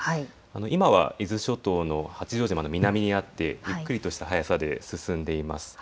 今は伊豆諸島の八丈島の南にあって、ゆっくりとした速さで進んでいます。